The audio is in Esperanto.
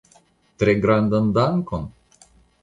Tre grandan dankon?